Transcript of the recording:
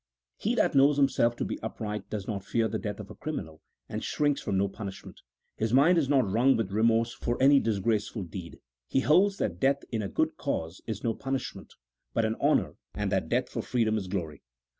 He that knows himself to be upright does not fear the death of a criminal, and shrinks from no punishment ; his mind is not wrung with remorse for any disgraceful deed : he holds that death in a good cause is no punishment, but an honour, and that death for freedom is glory.